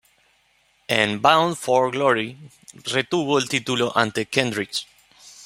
En "Bound for Glory", retuvo el título ante Kendrick.